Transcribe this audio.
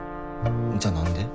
じゃあ何で？